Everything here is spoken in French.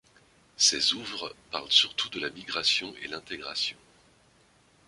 Ses ouvres parlent surtout de la migration et l'intégration.